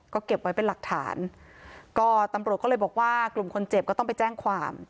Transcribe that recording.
ก็เก็บไว้เป็นหลักฐานก็ตำรวจก็เลยบอกว่ากลุ่มคนเจ็บก็ต้องไปแจ้งความ